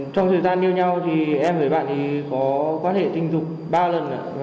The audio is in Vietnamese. trong thời gian yêu nhau thì em với bạn ấy có quan hệ tình dục ba lần